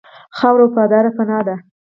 خاوره وفاداره پناه ده.